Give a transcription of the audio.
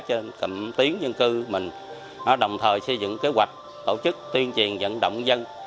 cho cầm tiến dân cư mình đồng thời xây dựng kế hoạch tổ chức tuyên truyền dẫn động dân